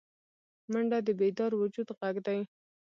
منډه د بیدار وجود غږ دی